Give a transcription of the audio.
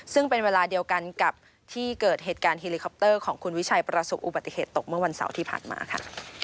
ซึ่งเป็นเวลาเดียวกันกับที่เกิดเหตุการณ์เฮลิคอปเตอร์ของคุณวิชัยประสบอุบัติเหตุตกเมื่อวันเสาร์ที่ผ่านมาค่ะ